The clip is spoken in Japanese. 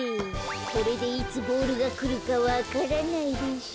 これでいつボールがくるかわからないでしょ。